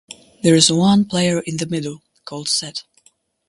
There is one player in the middle, called set.